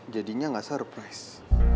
jadinya gak surprise